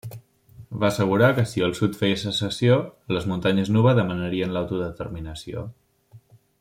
Va assegurar que si el sud feia secessió, les muntanyes Nuba demanarien l'autodeterminació.